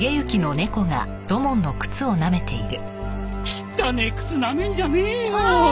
汚え靴舐めんじゃねえよ。